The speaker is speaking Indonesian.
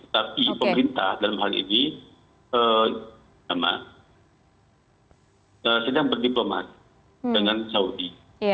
tapi pemerintah dalam hal ini sedang berdiplomasi dengan saudi